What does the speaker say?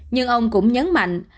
nhưng ông cũng nhấn mạnh